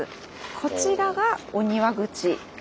こちらがお庭口。